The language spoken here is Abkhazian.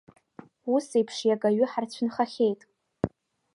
Уи еиԥш иагаҩы ҳарцәынхахьеит.